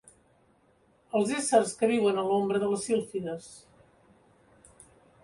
Els éssers que viuen a l'ombra de les sílfides.